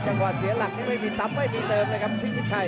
จังหวัดเสียหลักนี้ไม่มีตับไม่มีเริ่มที่ชิคชัย